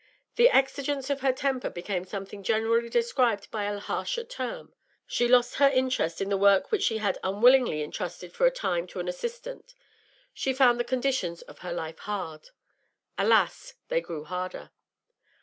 The exigence of her temper became something generally described by a harsher term; she lost her interest in the work which she had unwillingly entrusted for a time to an assistant; she found the conditions of her life hard. Alas, they grew harder.